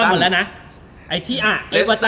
อาร์โดมัสอาร์ตันอาร์โดมัสอาร์โดมัสอาร์โดมัส